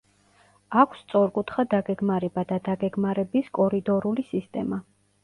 აქვს სწორკუთხა დაგეგმარება და დაგეგმარების კორიდორული სისტემა.